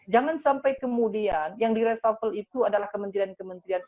jangan sampai kemudian yang di reshuffle itu adalah kementerian kementerian